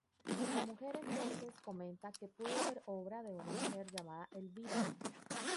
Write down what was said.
La mujer entonces comenta que pudo ser obra de una mujer llamada Elvira.